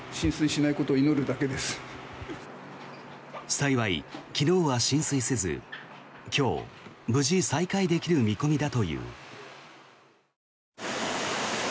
幸い、昨日は浸水せず今日、無事再開できる見込みだという。